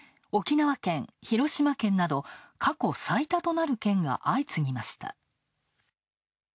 沖縄県、広島県など、過去最多となる県が相次ぎました。